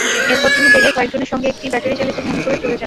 এরপর তিনি বেরিয়ে কয়েকজনের সঙ্গে একটি ব্যাটারিচালিত ভ্যানে করে চলে যান।